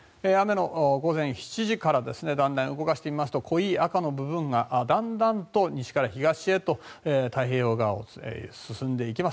午前７時からだんだん動かしてみますと濃い赤の部分が西から東へと太平洋側を進んでいきます。